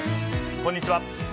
こんにちは。